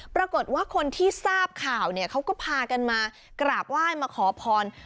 ปรากฏว่าคนที่ทราบข่าวเนี่ยเขาก็พากันมากราบไหว้มาขอพร